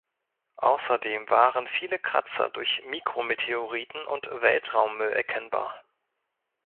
Außerdem waren viele Kratzer durch Mikrometeoriten und Weltraummüll erkennbar.